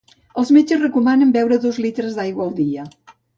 Els metges recomanen beure dos litres d'aigua al dia.